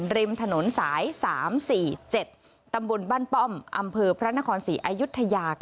ริมถนนสาย๓๔๗ตำบลบ้านป้อมอำเภอพระนครศรีอายุทยา